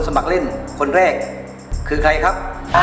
สมัครเล่นคนแรกคือใครครับ